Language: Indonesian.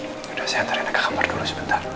udah saya hantar riana ke kamar dulu sebentar